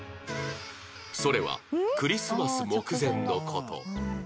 それはクリスマス目前の事